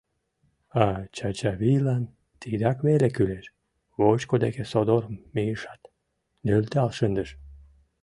А Чачавийлан тидак веле кӱлеш: вочко деке содор мийышат, нӧлтал шындыш.